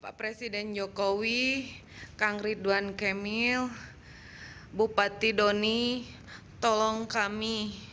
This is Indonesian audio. pak presiden jokowi kang ridwan kamil bupati doni tolong kami